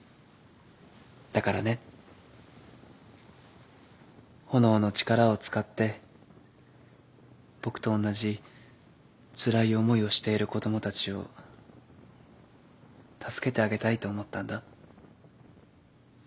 だからね炎の力を使って僕と同じつらい思いをしている子供たちを助けてあげたいと思ったんだ。